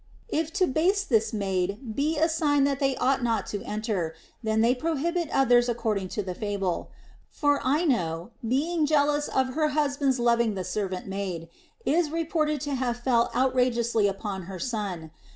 If to baste this maid be a sign that they ought not to enter, then they prohibit others according to the fable. For Ino, being jealous of her husband's loving the servant maid, is reported to have fell outrageously upon her son.